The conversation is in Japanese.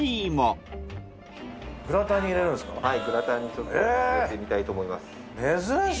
はいグラタンにちょっと入れてみたいと思います。